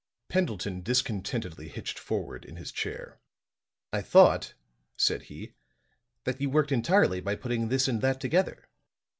Pendleton discontentedly hitched forward in his chair. "I thought," said he, "that you worked entirely by putting this and that together."